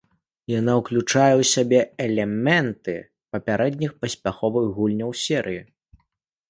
Яна ўключае ў сябе элементы папярэдніх паспяховых гульняў серыі.